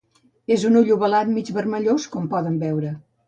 És un ull ovalat, mig vermellós, com poden veure.